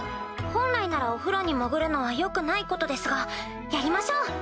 本来ならお風呂に潜るのは良くないことですがやりましょう！